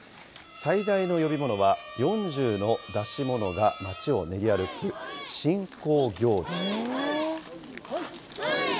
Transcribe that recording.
最大の呼び物は、４０の出し物が街を練り歩く神幸行事。